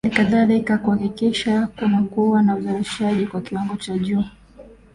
hali kadhalika kuhakikisha kunakuwa na uzalishaji kwa kiwango cha juu